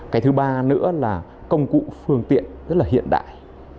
cái thứ ba nữa là công cụ phương tiện rất là hiện đại